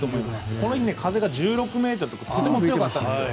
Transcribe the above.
この日は風が１６メートルととても強かったんです。